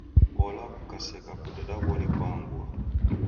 Ola kukaseka kudeda w'ori kwaangua.